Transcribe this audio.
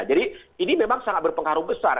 jadi ini memang sangat berpengaruh besar